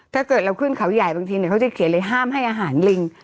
ถ้าเกิดเราขึ้นเขาใหญ่บางทีเขาจะเขียนเลยห้ามให้อาหารลิง